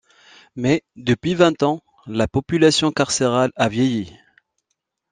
Mais, depuis vingt ans, la population carcérale a vieilli.